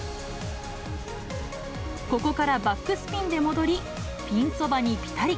ここからバックスピンで戻り、ピンそばにぴたり。